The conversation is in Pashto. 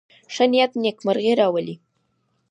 ښه نيت نېکمرغي راولي.